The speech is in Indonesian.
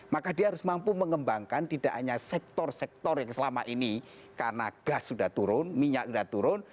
maka dia harus mampu mengembangkan tidak hanya sektor sektor yang selama ini karena gas sudah turun minyak sudah turun